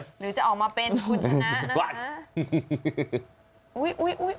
หรือจะออกมาเป็นคุณชนะนะคะ